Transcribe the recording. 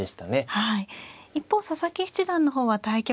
はい。